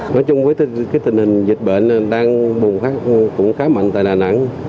nói chung với tình hình dịch bệnh đang bùng phát cũng khá mạnh tại đà nẵng